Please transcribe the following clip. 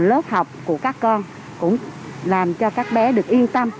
lớp học của các con cũng làm cho các bé được yên tâm